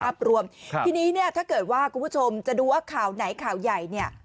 รวมครับทีนี้เนี่ยถ้าเกิดว่าคุณผู้ชมจะดูว่าข่าวไหนข่าวใหญ่เนี่ย